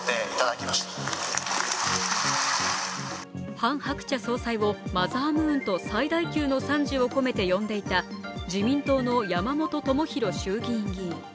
ハン・ハクチャ総裁をマザームーンと最大級の賛辞を込めて呼んでいた自民党の山本朋広衆議院議員。